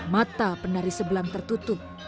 mata penari sebelang tertutup